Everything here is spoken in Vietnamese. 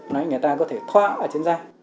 người ta có thể thoang ở chân da